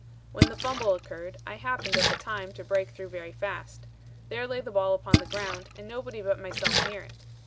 When the fumble occurred, I happened at the time to break through very fast. There lay the ball on the ground, and nobody but myself near it.